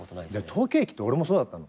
東京駅って俺もそうだったの。